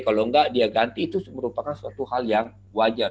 kalau enggak dia ganti itu merupakan suatu hal yang wajar